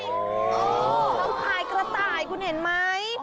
เขาขายกระต่ายคุณเห็นไหม